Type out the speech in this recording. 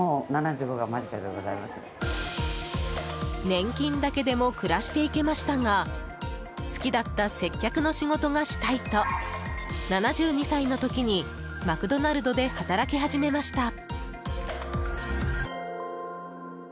年金だけでも暮らしていけましたが好きだった接客の仕事がしたいと７２歳の時にマクドナルドで働き始めました。